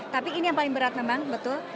tapi ini yang paling berat memang betul